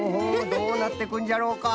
どうなってくんじゃろうか。